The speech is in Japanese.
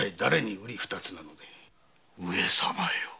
上様よ。